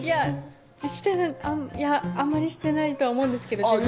いや、あんまりしてないとは思うんですけれど。